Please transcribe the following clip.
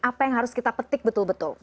apa yang harus kita petik betul betul